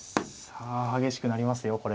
さあ激しくなりますよ